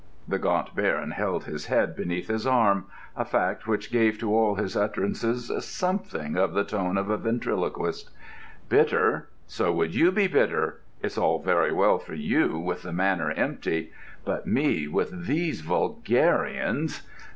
The Gaunt Baron held his head beneath his arm—a fact which gave to all his utterances something of the tone of a ventriloquist. "Bitter! So would you be bitter! It's all very well for you, with the Manor empty;—but me, with these vulgarians!...